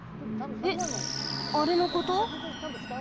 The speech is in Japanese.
えっあれのこと？